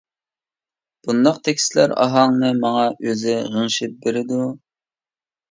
بۇنداق تېكىستلەر ئاھاڭنى ماڭا ئۆزى غىڭشىپ بېرىدۇ.